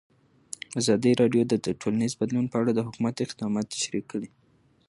ازادي راډیو د ټولنیز بدلون په اړه د حکومت اقدامات تشریح کړي.